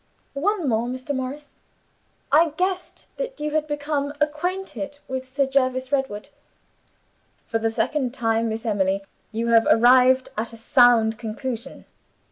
"One more, Mr. Morris. I guessed that you had become acquainted with Sir Jervis Redwood." "For the second time, Miss Emily, you have arrived at a sound conclusion.